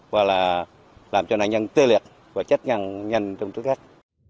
và là làm cho nạn nhân tê liệt và chết ngăn nhanh trong tức khách